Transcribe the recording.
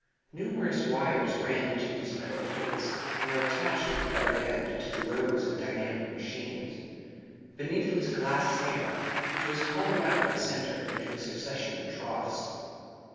Numerous wires ran into these metal plates, and were attached at the other end to the rows of dynamic machines. Beneath was a glass stand, which was hollowed out in the centre into a succession of troughs.